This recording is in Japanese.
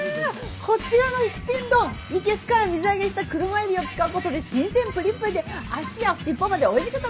こちらの活天丼いけすから水揚げした車エビを使うことで新鮮ぷりぷりで足や尻尾までおいしく食べられちゃう。